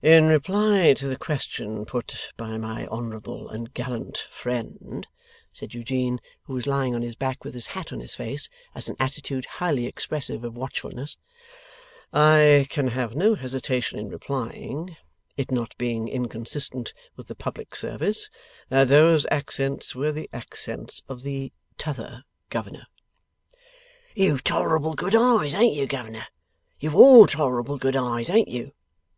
'In reply to the question put by my honourable and gallant friend,' said Eugene, who was lying on his back with his hat on his face, as an attitude highly expressive of watchfulness, 'I can have no hesitation in replying (it not being inconsistent with the public service) that those accents were the accents of the T'other Governor.' 'You've tolerable good eyes, ain't you, Governor? You've all tolerable good eyes, ain't you?